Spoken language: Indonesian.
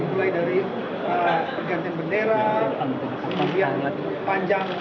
mulai dari penggantian bendera bagian panjang